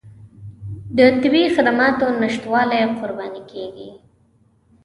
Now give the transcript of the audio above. د طبي خدماتو نشتوالي قرباني کېږي.